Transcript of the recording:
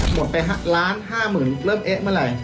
หมดไปล้านห้าหมื่นเริ่มเอ๊ะเมื่อไหร่